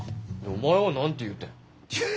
お前は何て言うてん。